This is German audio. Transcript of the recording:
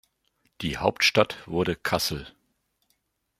Die Hauptstadt wurde Kassel.